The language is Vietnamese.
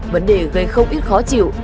vấn đề gây không ít khó chịu